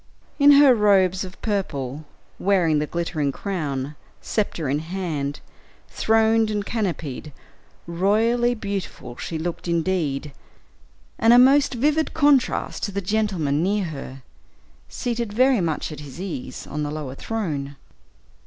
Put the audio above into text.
In her robes of purple, wearing the glittering crown, sceptre in hand, throned and canopied, royally beautiful she looked indeed, and a most vivid contrast to the gentleman near her, seated very much at his ease, on the lower throne.